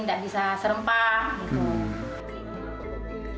tidak bisa serempang